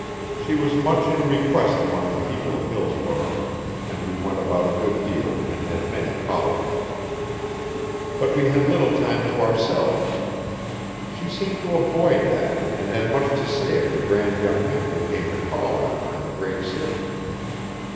She was much in request among the people of Hillsborough, and we went about a good deal and had many callers. But we had little time to ourselves. She seemed to avoid that, and had much to say of the grand young men who came to call on her in the great city.